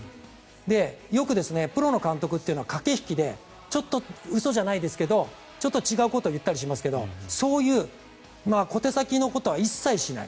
よくプロの監督っていうのは駆け引きでちょっと嘘じゃないですけどちょっと違うことを言ったりしますけどそういう小手先のことは一切しない。